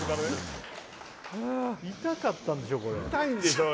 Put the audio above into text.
痛かったんでしょう